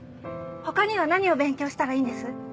ほかには何を勉強したらいいんです？